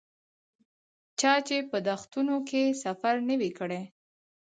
چا چې په دښتونو کې سفر نه وي کړی.